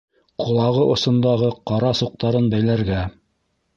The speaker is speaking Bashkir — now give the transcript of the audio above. — Ҡолағы осондағы ҡара суҡтарын бәйләргә...